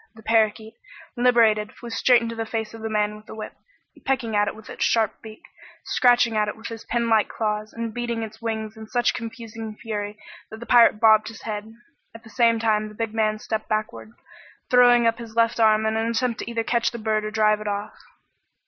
The parakeet, liberated, flew straight into the face of the man with the whip, pecking at it with its sharp beak, scratching at it with his pin like claws, and beating its wings in such confusing fury that the pirate bobbed his head. At the same time the big man stepped backward, throwing up his left arm in an attempt either to catch the bird or drive it off.